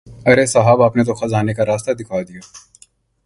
ارے صاحب آپ نے تو خزانے کا راستہ دکھا دیا۔